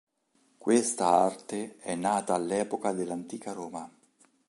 Questa arte è nata all'epoca dell'Antica Roma.